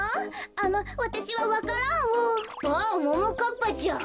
あっももかっぱちゃん。